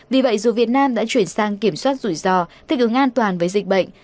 vì vậy dù việt nam đã chuyển sang kiểm soát rủi ro thích ứng an toàn với dịch bệnh